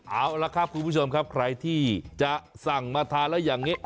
เอาละครับคุณผู้ชมครับใครที่จะสั่งมาทานแล้วอย่างนี้